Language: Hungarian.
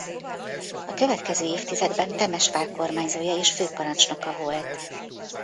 A következő évtizedben Temesvár kormányzója és főparancsnoka volt.